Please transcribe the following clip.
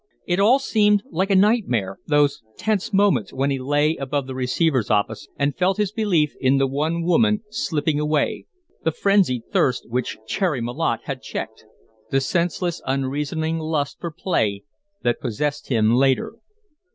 It all seemed like a nightmare, those tense moments when he lay above the receiver's office and felt his belief in the one woman slipping away, the frenzied thirst which Cherry Malotte had checked, the senseless, unreasoning lust for play that possessed him later.